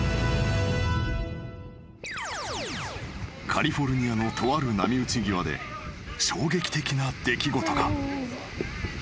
［カリフォルニアのとある波打ち際で衝撃的な出来事が］